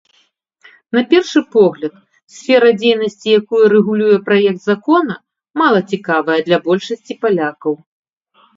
На першы погляд, сфера дзейнасці, якую рэгулюе праект закона, мала цікавая для большасці палякаў.